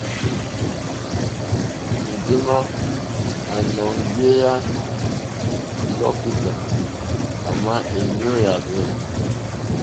Enjema a nɔ̀ŋgeya lokità, àma è nyoò yàrzɛ.